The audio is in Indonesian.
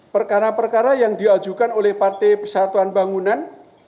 perkara perkara yang diajukan oleh partai persatuan bangunan